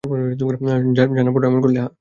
জানার পরও এমন করলে, হাহ?